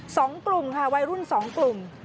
สองกลุ่มค่ะวัยรุ่นสองกลุ่ม